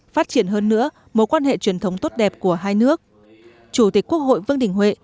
phát triển hơn nữa mối quan hệ truyền thống tốt đẹp của hai nước chủ tịch quốc hội vương đình huệ